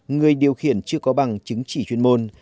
người điều khiển chưa có bằng chứng chỉ chuyên môn